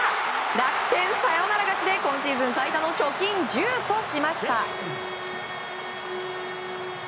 楽天、サヨナラ勝ちで今シーズン最多の貯金１０としました。